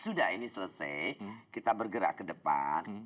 sudah ini selesai kita bergerak ke depan